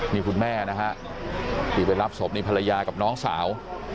นี่คุณแม่นะฮะที่ไปรับศพนี่ภรรยากับน้องสาว